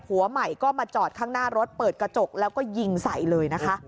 ผัวใหม่ก็มาจอดข้างหน้ารถเปิดกระจกแล้วก็ยิงใส่เลยนะคะ